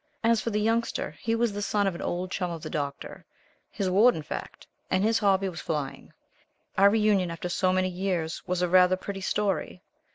As for the Youngster he was the son of an old chum of the Doctor his ward, in fact and his hobby was flying. Our reunion, after so many years, was a rather pretty story.